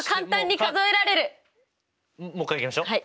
もう一回いきましょう。